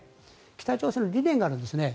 北朝鮮の理念があるんですね。